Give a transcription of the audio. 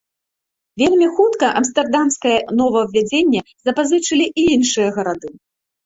Вельмі хутка амстэрдамскае новаўвядзенне запазычылі і іншыя гарады.